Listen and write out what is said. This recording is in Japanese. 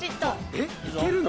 えっ行けるの？